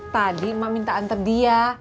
tadi mak minta nganter dia